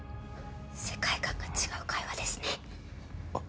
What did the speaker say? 世界観が違う会話ですねあっああ